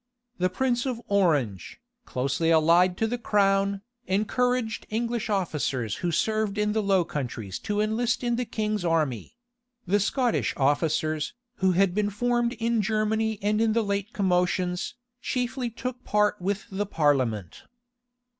The prince of Orange, closely allied to the crown, encouraged English officers who served in the Low Countries to enlist in the king's army: the Scottish officers, who had been formed in Germany and in the late commotions, chiefly took part with the parliament.